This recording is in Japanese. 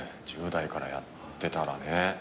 １０代からやってたらね。